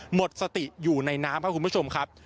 หมดสติอยู่ในน้ำครับคุณผู้ชมครับ